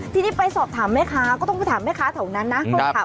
ทีนี้ไปสอบถามแม่ค้าก็ต้องไปถามแม่ค้าแถวนั้นนะคนขับ